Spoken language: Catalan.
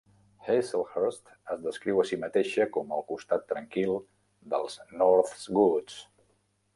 Hazelhurst es descriu a si mateixa com el costat tranquil dels North Woods.